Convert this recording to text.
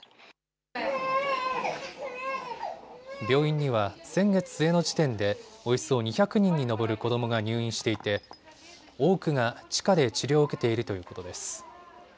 病院には先月末の時点でおよそ２００人に上る子どもが入院していて多くが地下で治療を受けているということです。